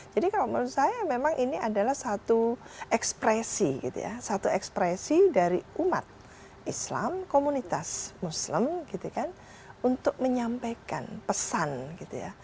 jadi kalau menurut saya memang ini adalah satu ekspresi gitu ya satu ekspresi dari umat islam komunitas muslim gitu kan untuk menyampaikan pesan gitu ya